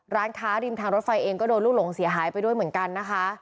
ร้านค้าริมทางรถไฟเองก็โดนลูกหลงเสียหายไปด้วยเหมือนกันนะคะ